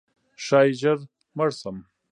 ښایي ژر مړ شم؛